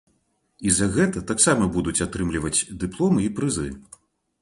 І за гэта таксама будуць атрымліваць дыпломы і прызы.